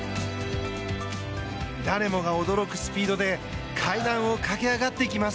誰もが驚くスピードで階段を駆け上がっていきます。